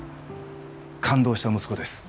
勘当した息子です。